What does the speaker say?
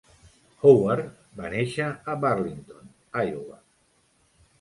Howard va néixer a Burlington, Iowa.